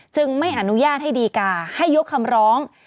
ไม่อนุญาตให้ดีกาให้ยกคำร้อง